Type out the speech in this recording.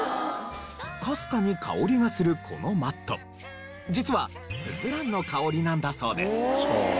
かすかに香りがするこのマット実はスズランの香りなんだそうです。